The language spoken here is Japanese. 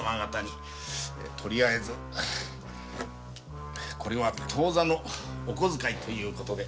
とりあえずこれは当座のお小遣いという事で。